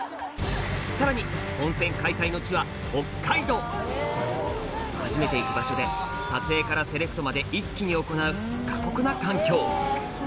さらに初めて行く場所で撮影からセレクトまで一気に行う過酷な環境